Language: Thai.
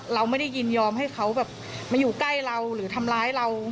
เราไม่ได้ยินยอมให้เขาแบบมาอยู่ใกล้เราหรือทำร้ายเรา